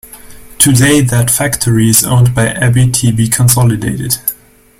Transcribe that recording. Today that factory is owned by Abitibi-Consolidated.